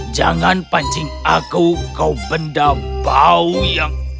jangan pancing aku kau benda bau yang